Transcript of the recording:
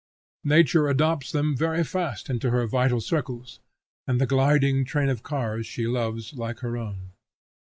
Nature adopts them very fast into her vital circles, and the gliding train of cars she loves like her own.